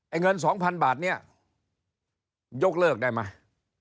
ไอ้เงินสองพันบาทนี้ยกเลิกได้ไหม